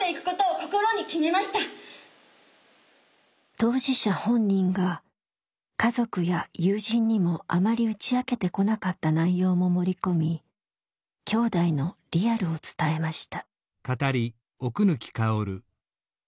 当事者本人が家族や友人にもあまり打ち明けてこなかった内容も盛り込みきょうだいのリアルを伝えました。